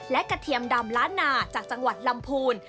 และกระเทียมดำล้านนาจากจังหวัดลำพูน